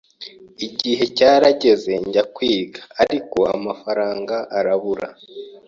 Igihe cyarageze njya kwiga ariko amafaranga arabura